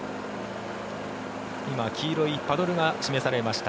今、黄色いパドルが示されました。